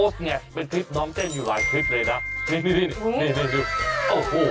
ที่เป็นคนนำวีดีโอคลิปอยู่